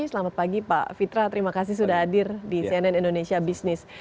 selamat pagi pak fitra terima kasih sudah hadir di cnn indonesia business